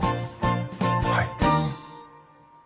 はい。